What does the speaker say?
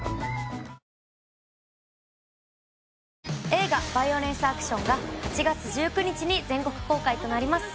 映画「バイオレンスアクション」が８月１９日に全国公開となります